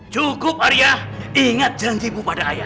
cukup arya ingat janjimu pada ayah